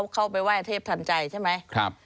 เข้าไปไหว้เทพทันใจใช่ไหม